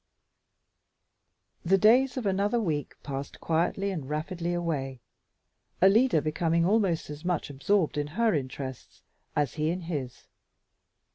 The days of another week passed quietly and rapidly away, Alida becoming almost as much absorbed in her interests as he in his.